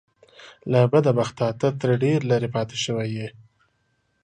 له بده بخته ته ترې ډېر لرې پاتې شوی يې .